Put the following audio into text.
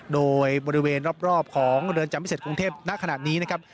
โดยบริเวณรอบของเรือนจำพิเศษกรุงเทพณขณะนี้นะครับ